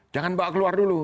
jangan bawa keluar dulu